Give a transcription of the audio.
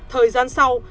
thời gian sau